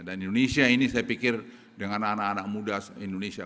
dan indonesia ini saya pikir dengan anak anak muda indonesia